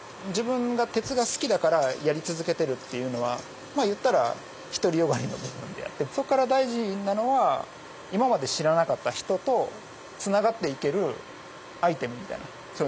自分が鉄が好きだからやり続けてるっていうのはまあ言ったら独り善がりの部分であってそこから大事なのは今まで知らなかった人とつながっていけるアイテムみたいな。